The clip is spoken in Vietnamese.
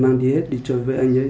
bạn phải làm cho mẩy các bạn